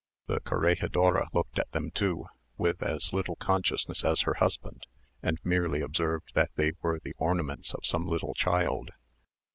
The corregidora looked at them, too, with as little consciousness as her husband, and merely observed that they were the ornaments of some little child.